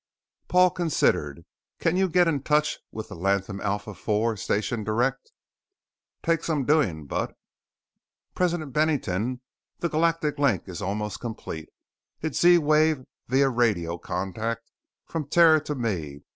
Paul considered. "Can you get in touch with the Latham Alpha IV Station direct?" "Take some doing, but " "President Bennington, the Galactic Link is almost complete. It's Z wave via radio contact from Terra to me.